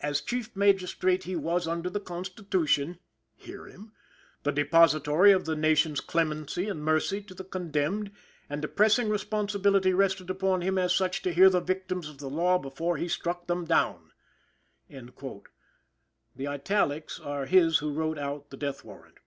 "As Chief Magistrate he was, under the Constitution," (HEAR HIM!) "the depositary of the nation's clemency and mercy to the condemned, and a pressing responsibility rested upon him as such to hear the victims of the law before he struck them down." (The italics are his who wrote out the death warrant.)